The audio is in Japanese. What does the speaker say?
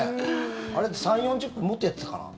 あれって３０４０分もっとやってたかな？